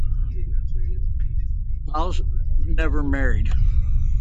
Balch never married.